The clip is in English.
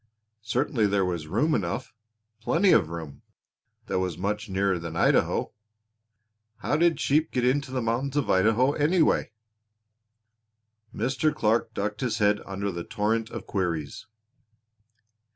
Certainly there was room enough, plenty of room, that was much nearer than Idaho. How did sheep get into the mountains of Idaho anyway? Mr. Clark ducked his head under the torrent of queries.